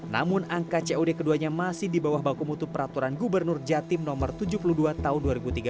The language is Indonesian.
namun angka cod keduanya masih di bawah baku mutu peraturan gubernur jatim no tujuh puluh dua tahun dua ribu tiga belas